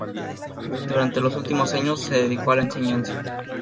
Durante los últimos años se dedicó a la enseñanza.